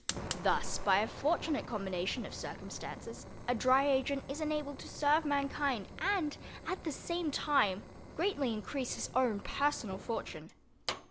Thus, by a fortunate combination of circumstances, a Dry Agent is enabled to serve mankind and, at the same time, greatly increase his own personal fortune.